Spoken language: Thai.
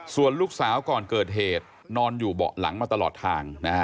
ส่วนลูกสาวก่อนเกิดเหตุนอนอยู่เบาะหลังมาตลอดทางนะฮะ